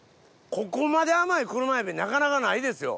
ここまで甘い車エビなかなかないですよ。